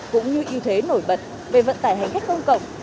cũng như ưu thế nổi bật về vận tải hành khách công cộng